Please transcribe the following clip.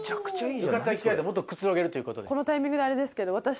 浴衣でくつろげるということで。